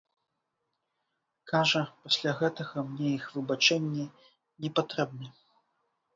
Кажа, пасля гэтага мне іх выбачэнні не патрэбны.